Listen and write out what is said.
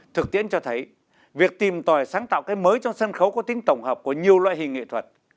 thực tiễn cho thấy việc tìm tòi sáng tạo cái mới cho sân khấu có tính tổng hợp của nhiều loại hình nghệ thuật